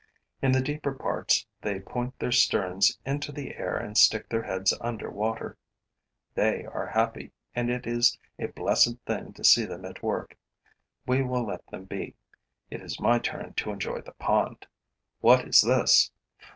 In the deeper parts, they point their sterns into the air and stick their heads under water. They are happy; and it is a blessed thing to see them at work. We will let them be. It is my turn to enjoy the pond. What is this?